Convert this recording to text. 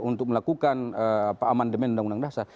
untuk melakukan pahaman demen undang undang dasar